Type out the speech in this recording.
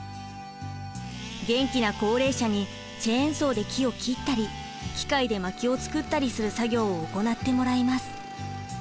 元気な高齢者にチェーンソーで木を切ったり機械でまきを作ったりする作業を行ってもらいます。